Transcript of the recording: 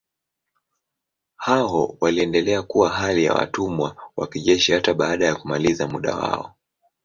Hao waliendelea kuwa hali ya watumwa wa kijeshi hata baada ya kumaliza muda wao.